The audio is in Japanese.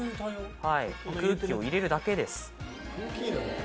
はい空気を入れるだけです。